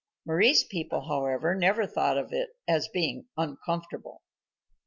Mari's people, however, never thought of its being uncomfortable.